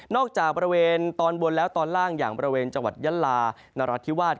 จากบริเวณตอนบนแล้วตอนล่างอย่างบริเวณจังหวัดยะลานรัฐธิวาส